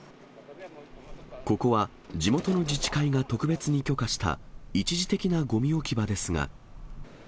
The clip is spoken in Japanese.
ここは地元の自治会が特別に許可した一時的なごみ置き場ですが。